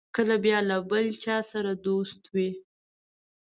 کله بیا له بل چا سره دوست وي.